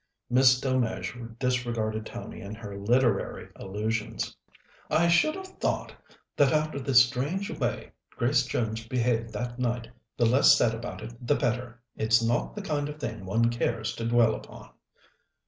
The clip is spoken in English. Miss Delmege disregarded Tony and her literary allusions. "I should have thought that after the strange way Grace Jones behaved that night, the less said about it the better. It's not the kind of thing one cares to dwell upon."